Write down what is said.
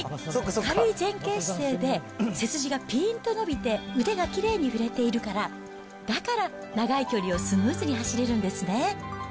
軽い前傾姿勢で背筋がぴんと伸びて腕がきれいに振れているから、だから長い距離をスムーズに走れるんですね。